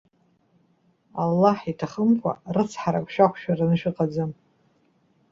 Аллаҳ иҭахымкәа, рыцҳарак шәақәшәараны шәыҟаӡам.